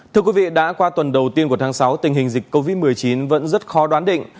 thưa quý vị đã qua tuần đầu tiên của tháng sáu tình hình dịch covid một mươi chín vẫn rất khó đoán định